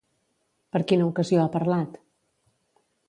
Per quina ocasió ha parlat?